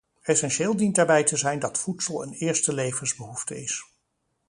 Essentieel dient daarbij te zijn dat voedsel een eerste levensbehoefte is.